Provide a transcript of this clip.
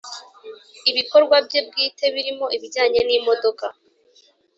ibikorwa bye bwite birimo ibijyanye n’imodoka